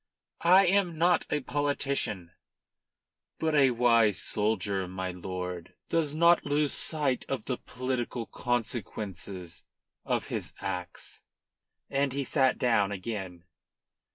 "I am not a politician." "But a wise soldier, my lord, does not lose sight of the political consequences of his acts." And he sat down again.